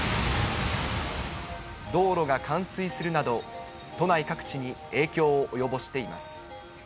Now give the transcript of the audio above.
道路が冠水するなど、都内各地に影響を及ぼしています。